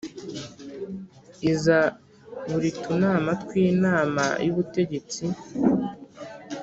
Iza buri tunama tw inama y ubutegetsi